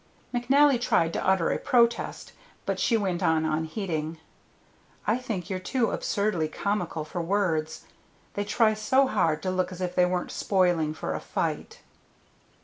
McNally tried to utter a protest, but she went on unheeding. "I think they're too absurdly comical for words. They try so hard to look as if they weren't spoiling for a fight."